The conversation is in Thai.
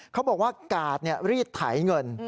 เขาบอกว่ากาดรีดไถเงิน